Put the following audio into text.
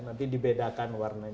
nanti dibedakan warnanya